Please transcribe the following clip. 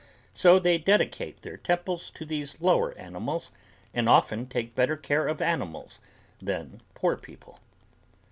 So they dedicate their temples to these lower animals and often take better care of animals than poor people.